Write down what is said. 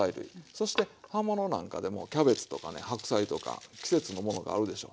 そして葉ものなんかでもキャベツとかね白菜とか季節のものがあるでしょ。